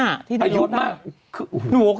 อายุมาก